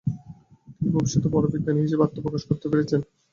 তিনি ভবিষ্যতে বড় বিজ্ঞানী হিসেবে আত্মপ্রকাশ করতে পেরেছেন।